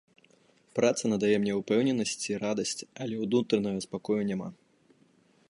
Праца надае мне упэўненасць і радасць, але ўнутранага спакою няма.